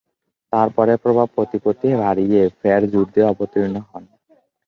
তার পরে প্রভাব প্রতিপত্তি বাড়িয়ে ফের যুদ্ধে অবতীর্ণ হন।